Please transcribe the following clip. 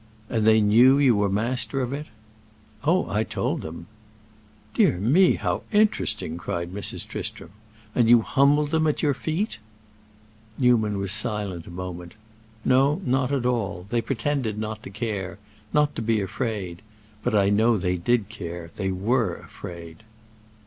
"And they knew you were master of it?" "Oh, I told them." "Dear me, how interesting!" cried Mrs. Tristram. "And you humbled them at your feet?" Newman was silent a moment. "No, not at all. They pretended not to care—not to be afraid. But I know they did care—they were afraid."